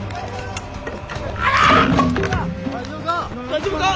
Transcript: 大丈夫か？